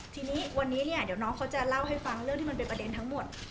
ทีนี้วันนี้เนี่ยเดี๋ยวน้องเขาจะเล่าให้ฟังเรื่องที่มันเป็นประเด็นทั้งหมด